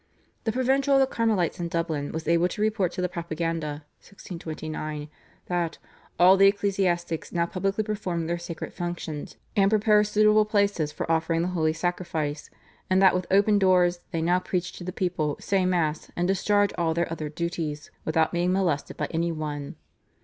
The provincial of the Carmelites in Dublin was able to report to the Propaganda (1629) that "all the ecclesiastics now publicly perform their sacred functions, and prepare suitable places for offering the holy sacrifice, and that with open doors; they now preach to the people, say Mass, and discharge all their other duties without being molested by any one."